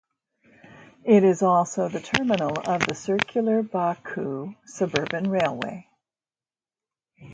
It is also the terminal of the circular Baku suburban railway.